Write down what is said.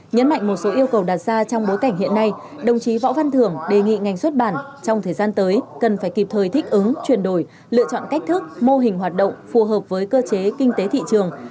nhấn mạnh một số yêu cầu đạt ra trong bối cảnh hiện nay đồng chí võ văn thưởng đề nghị ngành xuất bản trong thời gian tới cần phải kịp thời thích ứng chuyển đổi lựa chọn cách thức mô hình hoạt động phù hợp với cơ chế kinh tế thị trường